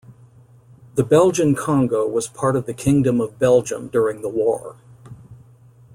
The Belgian Congo was part of the Kingdom of Belgium during the war.